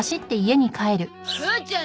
父ちゃん